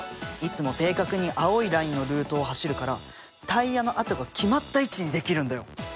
いつも正確に青いラインのルートを走るからタイヤの跡が決まった位置に出来るんだよ！